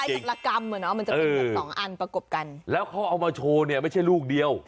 มันจะเป็นแบบละกำเหรอมันจะเป็นแบบสองอันประกบกันแล้วเขาเอามาโชว์เนี่ยไม่ใช่ลูกเดียว